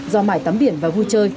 do mải tắm biển và vui chơi